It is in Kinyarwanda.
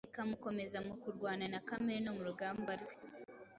ikamukomeza mu kurwana na kamere no mu rugamba rwe